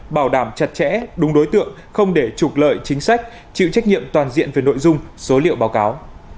bảo đảm chặt chẽ đúng đối tượng không để trục lợi chính sách chịu trách nhiệm toàn diện về nội dung số liệu báo cáo